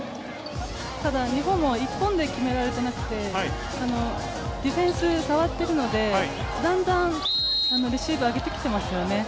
日本も１本で決められていなくて、ディフェンス、触ってるのでだんだんレシーブ上げてきてますよね。